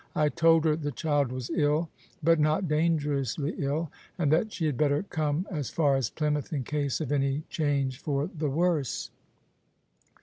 I told her the child was ill — but not dangerously ill — and that she had better come as far as Plymouth, in case of any change for the worse."